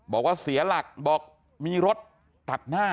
บอกว่าเสียหลักบอกมีรถตัดหน้า